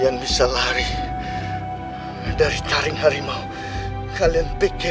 kau tidak percaya aku lewati